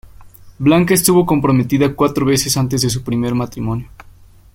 Blanca estuvo comprometida cuatro veces antes de su primer matrimonio.